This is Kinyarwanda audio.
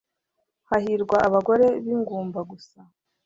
hahirwa abagore b ingumba gusa